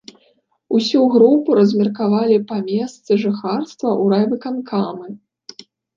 Усю групу размеркавалі па месцы жыхарства ў райвыканкамы.